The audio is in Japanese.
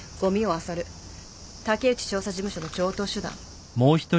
竹内調査事務所の常とう手段。